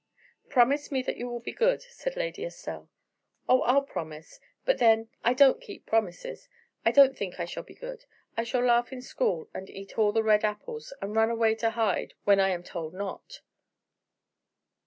"Promise me that you will be good," said Lady Estelle. "Oh, I'll promise; but then, I don't keep promises. I don't think I shall be good. I shall laugh in school, and eat all the red apples, and run away to ride, when I am told not."